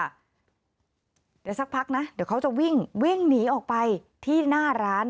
เดี๋ยวสักพักนะเดี๋ยวเขาจะวิ่งวิ่งหนีออกไปที่หน้าร้าน